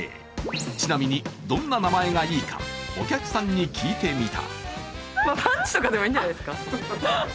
ちなみに、どんな名前がいいか、お客さんに聞いてみた。